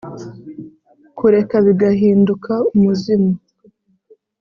kureka bigahinduka umuzimu,